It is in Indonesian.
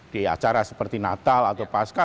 di acara seperti natal atau pasca